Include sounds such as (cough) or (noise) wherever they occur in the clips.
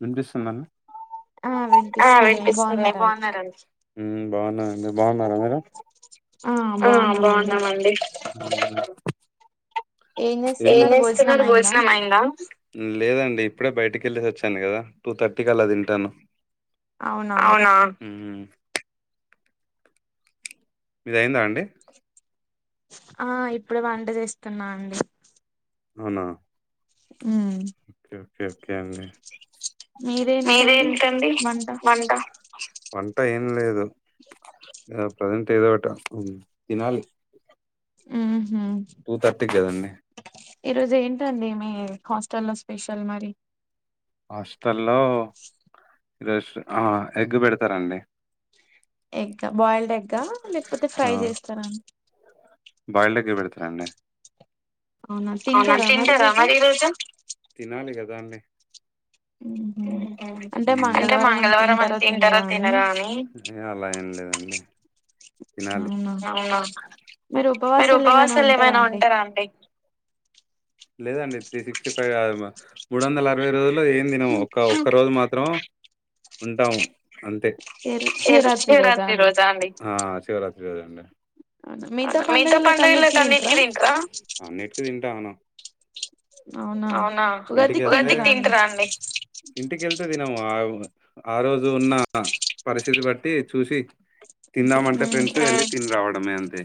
వినిపిస్తుందం ఆ ఆహ్ వినిపిస్తుదండి బాగున్నారాండి. ఆహ్ బాగున్నామండి. ఏం చేస్తున్నారు భోజనం అయిందా. లేదండి ఇప్పుడే బయటకి వెళ్ళిసి వచ్చాను కదా టూ థర్టీకి అలా తింటాను. అవునా. మీది అయిందా అండి. ఆహ్ ఇప్పుడే వంట చేస్తున్నా అండి. అవునా. ఉమ్. ఓకే ఓకే అండి వన్. అట్ట ఏం లేదు ఇంక ప్రజెంట్ ఏదో ఒకటి వస్తుంది తినాలి. ఉమ్. టూ థర్టీకి కదండి. ఈ రోజు ఏంటండి మీ హాస్టల్ లో స్పెషల్ మరి. హాస్టల్లో ఈరోజు ఆహ్ ఎగ్ పెడుతారండి. ఎగ్గ బాయిల్డ్ ఎగ్గా లేకపోతే ఫ్రై చేస్తార అండి. బాయిల్డ్ ఎగే పెడతారండి. అవునా తింటారా మరి ఈ రోజు. ఉహు ఇంకా మంగళవారం అని తింటారో తినరో అని. ఏంలేదు. అవునా మీరు ఉపవాసాలు ఏమైనా ఉంటార అండి. లేదండి త్రీ సిక్స్టీ ఫైవ్ కాదు మా మూడు వందల అరవై రోజులో ఏం తినము. ఒక్క రోజు మాత్రం ఉంటాము. ఏది శివరాత్రి రోజా అండి. అవునా మిగిత పండుగలకు అన్నింటికి తింటారా. అవునా (unintelligible) తింటారా అండి. ఇంటికెళ్తే తినము ఆహ్ ఆ రోజు ఉన్న పరిస్థితి బట్టి చూసి. తిందమంటే ఫ్రెండ్స్ తిని రావడమే అంతే.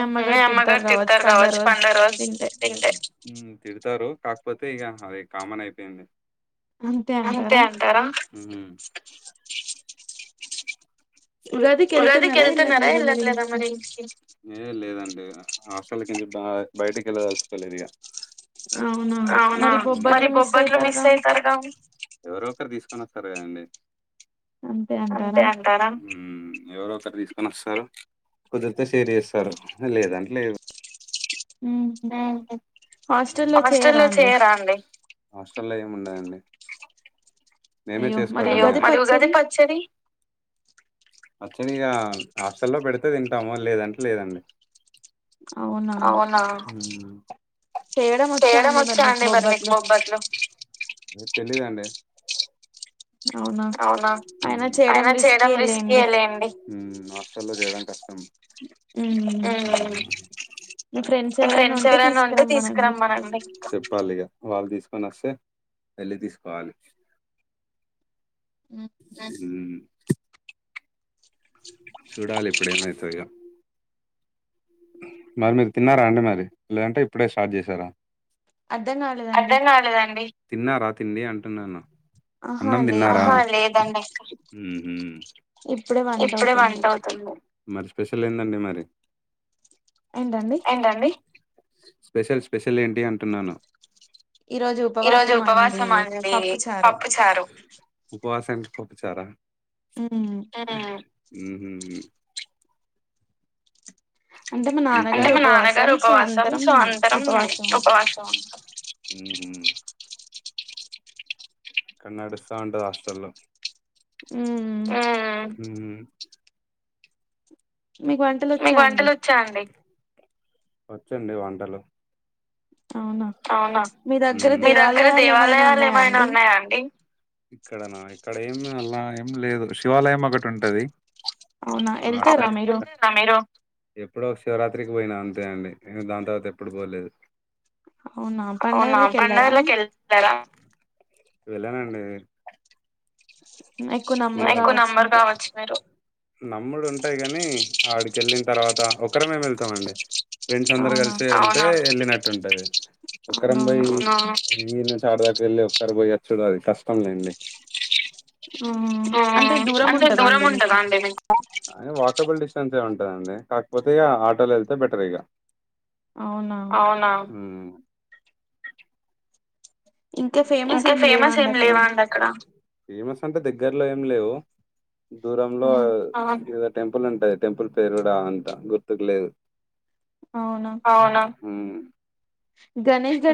ఉమ్ మీ అమ్మగారు తిడుతారు కావచ్చు పండుగ రోజు తింటే. కాకపోతే ఇగా అది కామన్ అయిపోయింది. అంతే అంటారా. ఉగాదికి ఎల్తున్నారా ఎలట్లేద మరి ఇంటికి. లెదు హాస్టల్ కి బ ఆహ్ బయటకి వెల్లదలుచుకోలేదు ఇగ. అవునా మరి బొబ్బట్లు మిస్ అయితారుగా. ఎవరో ఒకరు తీసుకొని వస్తారు కదండి. అంతే అంటారా. ఉమ్ ఎవరో ఒకరు తీసుకొని వస్తారు కుదిరితే షేర్ చేస్తారు లేదంటే లేదు. ఉహు హాస్టల్ లో చేయరా అండి. హాస్టల్ లో ఏముండదండి. మేమే చేసుకోవాలి. యాక్చువల్గా హాస్టల్లో పెడితే తింటాము లేదంటే లేదండి. అవునా. చేయడం వచ్చా అండి మరి మీకు బొబ్బట్లు. అవునా అయినా చేయడం రిస్క్ లేండి. ఉమ్. మీ ఫ్రెండ్స్ ఎవరైనా ఉంటే తీసుకురమ్మనండి. వాళ్ళు తీసుకొని వస్తే వెళ్ళి తీసుకోవాలి. ఆహ్. చూడాలి ఇప్పుడు ఏమైతదో ఇగ. మర్ మీరు తిన్నారా అండి మరి లేదంటే ఇప్పుడే స్టార్ట్ చేసారా తిన్నారా తిండి అంటున్నాను అన్నం దిన్నార ఉహ్మ్ ఇప్పుడె వంటౌతుంది మరి స్పెషల్ ఏందండి మరి స్పెషల్ స్పెషలేంటి అంటున్నాను ఇరోజు ఉపవాసం అండి పప్పుచారు ఉపవాసన్కి పప్పుచార ఉహ్మ్ అంటె మా నాన్నగారు ఉపవాసం సో అందరం ఉపవాసం ఉంటం హ్మ్ హ్మ్ కన్నాడిస్తా ఉంటద్ హాస్టల్లో హ్మ్ హ్మ్ మీక్ వంటలొచ్చ అండి ఒచ్చండి వంటలు ఔన మీ దగ్గర దేవాలయాలు ఏమైన ఉన్నయా అండి ఇక్కడనా ఇక్కడ ఏమ్ అలా ఏమ్లేదు శివాలయం ఒకటి ఉంటది ఎల్లార మీరు ఎప్పుడో ఒక్ శివరాత్రికి పోయినా అంతే అండి ఇగ దాన్ తర్వత ఎప్పుడు పోలేదు అవునా పండగలక్ ఎల్తర వెళ్ళనండి ఎక్కువ నమ్మర్ కావచ్చ్ మీరు నమ్ముడ్ ఉంటయి గని ఆడికెళ్ళిన్ తర్వాత ఒకరమే వెళ్తామండి ఫ్రెండ్స్ అందరు కలిసి ఎళ్తే ఎళ్ళినట్టు ఉంటది ఒక్కరం బోయ్ (unintelligible) తాడ్దాక ఎళ్ళి ఒక్కారి పోయచ్చుడు అది కష్టం లెండి ఆ అంతే దూరం ఉండదా అండి మీకు ఐన వాకబుల్ డిస్టెన్సే ఉంటదండి కాకపోతే ఇగ ఆటోలో ఎళ్తే బెటర్ ఇగ ఔనా ఇంక ఫేమస్ ఏమ్ లేవా అండ్ అక్కడ ఫేమస్ అంటె దగ్గర్లో ఏం లేవు దూరంలో (unintelligible) టెంపుల్ ఉంటది టెంపుల్ పేరు గుడ అంత గుర్తుక్ లేద్ ఔనా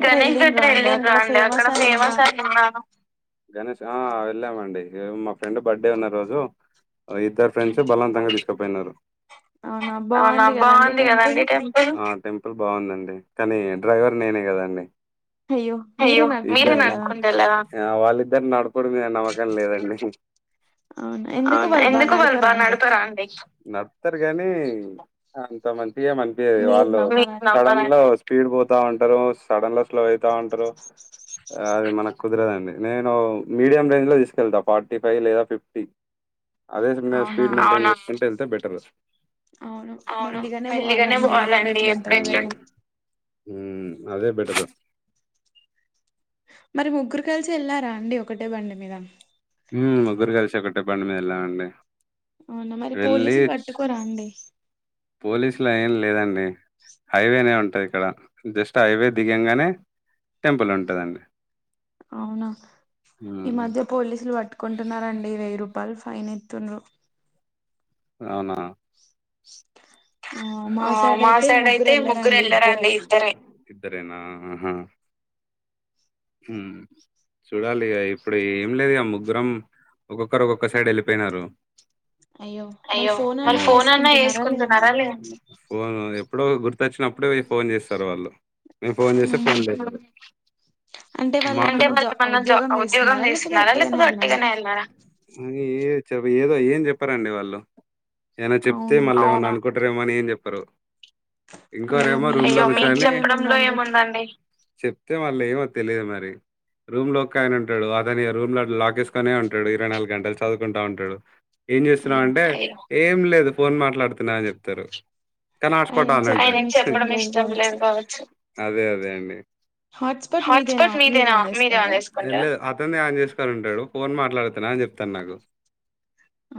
గణేష్ గడ్ర ఎల్లిన్రా అండి అక్కడ స్ గణేష్ ఆ వెళ్ళాం అండి మా ఫ్రెండ్ బర్డే ఉన్న రోజు ఆ ఇద్దర్ ఫ్రెండ్స్ బల్వంతంగ తిస్కపొయ్నరు ఔనా బాంధీ గదండి టెంపుల్ టెంపుల్ బావుందండి కానీ డ్రైవర్ నేనే కదండి హయ్యో మీరేన ఆ వాళ్ళిద్దరి నడ్పుడు మీద నమ్మకం లేదండి అవున్ ఎందుకు వాళ్ళ్ బా నడ్పరా అండి అంత మంచిగేమ్ అన్పియ్యద్ వాళ్ళు సడన్లో స్పీడ్ పోతా ఉంటరు సడన్ లో స్లో ఐతా ఉంటరు అది మనక్ కుద్రదండి నేను మీడియం రేంజ్ లో తీసుకెళ్తా ఫార్టీ ఫై లేదా ఫిఫ్టీ అదే మే స్పీడ్ మెయింటెయిన్ చేస్తుంటే ఎళ్తే బెటరు అవును మెల్లిగనే పోవాలండి ఎప్పుడ్ ఎట్లుంటద్ హ్మ్ అదే బెటరు మరి ముగ్గురు కల్సి ఎళ్ళారా అండి ఒకటే బండి మీద ఉమ్ ముగ్గురు కలిసి ఒకటే బండి మీదెళ్ళామండి వెళ్లి చ్ పోలీస్ లైన్ లేదండి హైవేనె ఉం టె ఇక్కడ జస్ట్ హైవే దిగంగనే టెంపుల్ ఉంటదండి అవున ఈ మధ్య పోలీసులు వట్కుంటున్నారండి వెయ్యి రూపా వాళ్ళ్ ఫైన్ ఏత్తుండ్రు ఔనా ఆ మాసైడ్ అయితే ముగ్గురెల్లర్ అండి ఇద్దరే ఉమ్ చూడాలిగ ఇప్పుడు ఏం లేదుగా ముగ్గురం ఒక్కొక్కర్ ఒక్కొక్క సైడ్ ఎళ్ళిపోయినరు అయ్యో అయ్యో మరి ఫోన్ అన్న చేస్కుంటున్నరా లేద అండి ఫోను ఎప్పుడో గుర్తొచ్చినప్పుడే ఇ ఫోన్ చేస్తరు వాళ్ళు నేన్ ఫోన్ చేస్తే ఫోన్ లేపరు అంటే మరి ఏమన్న జా ఉద్యోగం చేస్తున్నరా లేకపోతే ఉట్టిగనే ఎళ్ళార ఏ చెవి ఏదో ఏం చెప్పరండి వాళ్ళు ఏనా చెప్తే మళ్ళేమైన అనుకుంటారేమో అని ఏం చెప్పరు ఇగో మేం చెప్పడంలో ఏముందండి తె వాళ్ళేమో తెలీదు మరి రూమ్ లో ఒక్కాయన ఉంటడు అతని ఇగ రూమ్ లో లాకేస్కోనే ఉంటడు ఇరవై నాలుగంటల్ చదువుకుంటా ఉంటడు ఏం చేస్తున్నావ్ అంటే ఏం లేదు ఫోన్ మాట్లాడుతున్న అని చెప్తరు ఆయనకి చెప్పడం ఇష్టం లేదు కావొచ్చు హాట్స్పాట్ మీదేనా మీరె అన్ చేసుకుంట ట్లడ్తున్నా అని చెప్తడ్ నాకు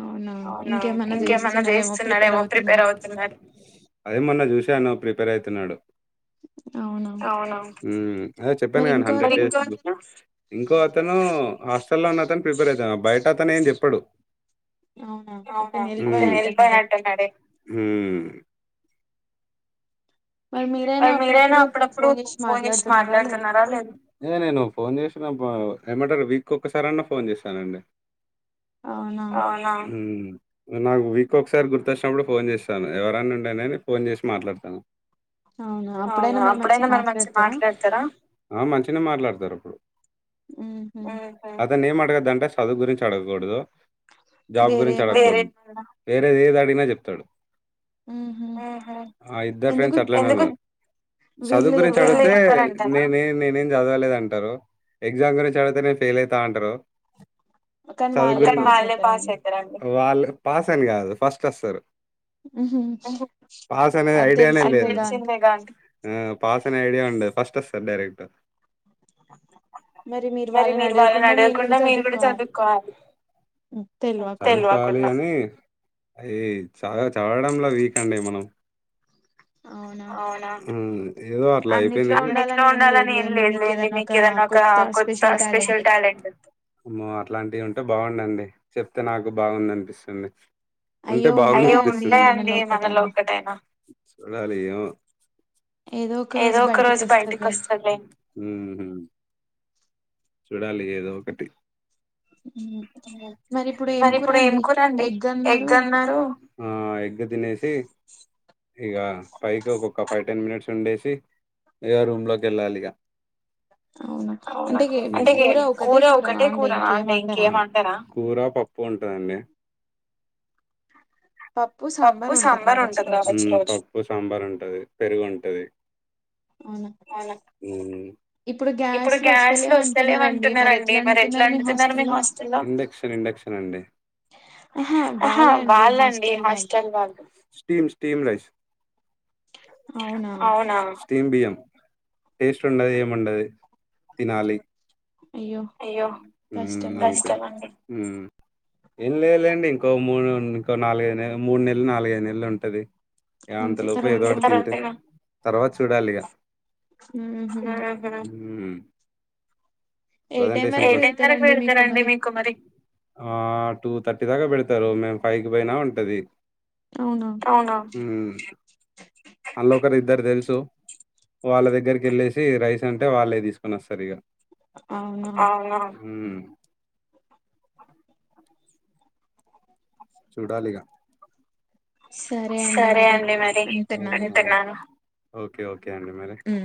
అవునా ఇంకేమ్ ఇంకేమన్నా చేస్తున్నడేమో ప్రిపేర్ అవుతున్న ప్రిపేర్ అయ్తున్నాడు అ ఉమ్ ఆ అదే చెప్పాను కదండి హండ్రెడ్ డేస్ ఇంకో అతను హాస్ స్టల్లో ఉన్న అతన్ ప్రిపేర్ అయితున్నాడు బయట అతన్ ఏం చెప్పడు అవునా అంటె నెల్ తన్ ఎల్పోయ్నట్టున్నాడే మరి మీరైనా అప్పుడప్పుడు ఫోన్ చేసి మాట్లాడుతున్నరా లేద వా ఏమంటారు వీక్ ఒక్కసార్ అన్న ఫోన్ చేస్తానండి అవునా నాక్ వీక్ ఒక్సారి గుర్తొచ్చినప్పుడు ఫోన్ చేస్తాను ఎవరన్న ఉండనని ఫోన్ చేసి మాట్లాడతాను అవునా అప్పుడైనా మరి మంచిగా మాట్లాడ్తరా అతన్నేం అడగద్దంటె సదువు గురించి అడగూడదు జాబ్ గురించి అడగకూడదు వేరేది ఏద్ అడ్గిన చెప్తడు ఆ ఇద్దర్ ఫ్రెండ్స్ అట్లనే ఉ చదువు గురించి అడిగితే నేనె నేన్ నేన్ చద్వలేదు అంటరు ఎగ్జామ్ గురించి అడిగితే నేన్ ఫెయిల్ ఐత అంటరు చదువు అ వాళ్ళు పాస్ అయిన కాదు ఫస్ట్ వస్తారు ఉ హు పాస్ అనే ఐడియానే లేదు ఆ పాస్ అనే ఐడియా ఉండే ఫస్ తెస్స డైరెక్ట్ మరి మీరు వాళ్ళని అడకుండా మీరు కూడా చదుకోవాలి తెల్వకున్న ఈ అది చాల చదవడంలో వీక్ అండి మనం అ అవునా ఏదో అట్లా అయిపోయింది అన్నిట్లో ఉండాలని ఏం లేద్లేండి మీకు ఏదన్న ఒకా కొత్త స్పెషల్ టాలెంట్ ఉంది ట్ బాగుందండి చెప్తే నాకు బాగుంది అనిపిస్తుంది ఉంటే బాగుండానిపిస్తుంది చూడాలి ఏమో ఏదో ఒక రోజు బయటికి వస్తది లె చూడాలి ఏదో ఒకటి మ్ మరి ఇప్పుడు ఏం కూరండి అండి ఎగ్ అన్నరు ఇగ పైకి ఒకోక ఫై టెన్ మినిట్స్ ఉండేసి ఇగ రూమ్ లకి యేళ్ళాలి ఇగ అవునా ఇంతకీ కూర ఒకటే కూరఅండి ఇంకేం వండరా కూరా పప్పు ఉంటదండి పప్పు సాంబార్ ఉంటది కావోచ్ రోజు ఉమ్ పప్పు సాంబార్ ఉంటది పెరుగుంటది అవునా ఉమ్ ఇప్పుడు గ్యాస్లు ఒస్తేలేవ్ అంటున్నారండి మరి ఎట్లా ఒండుతున్నారు మీ హాస్టల్లో డెక్సన్ అండి ఆహా వాళ్ళు అండి హాస్టల్ వాళ్ళు స్టీమ్ స్టీమ్ ఇష్ అవునా తీంబియ్యం టేస్ట్ ఉండదు ఏముండదు తినాలి అయ్యో కష్టం అండి ఏం లేద్ లేండి ఇంకో మూడు ఇంకో నాలుగైదు మూడు నెలలు నాలుగైదు నెలలు ఉంటది ఇగ అంత లోపుల ఎదో ఒకటి ఉంటది తర్వాత చూడాలి ఇగ ఉహుమ్ ఎటైం వరకు పెడతారండి మీకు మరి ఆ టూ థర్టీ దాకా పెడతారు మేము పైకి పోయినా ఉంటది అవునా ఒకరిద్దరు తెలుసు వాళ్ళ దగ్గరికి యేళ్ళేసి రైస్ అంటే వాళ్ళే తీసుకోనొస్తారు ఇగ అవునా చూడాలిగా సరే అండి మరి ఉంటున్నాను ఓకే ఓకే అండి మరి